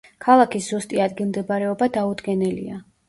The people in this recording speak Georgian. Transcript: ქალაქის ზუსტი ადგილმდებარეობა დაუდგენელია.